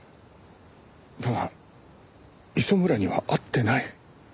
だが磯村には会ってない。